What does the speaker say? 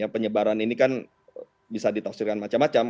penyebaran ini kan bisa ditafsirkan macam macam